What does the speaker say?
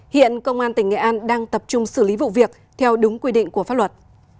hiện công an tỉnh nghệ an đang tập trung xử lý vụ việc theo đúng quy định của pháp luật